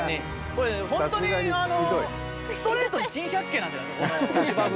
これホントにストレートに珍百景なんじゃないですか？